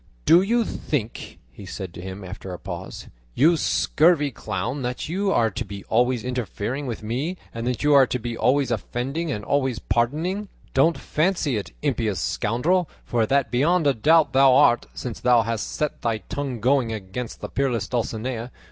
"Do you think," he said to him after a pause, "you scurvy clown, that you are to be always interfering with me, and that you are to be always offending and I always pardoning? Don't fancy it, impious scoundrel, for that beyond a doubt thou art, since thou hast set thy tongue going against the peerless Dulcinea.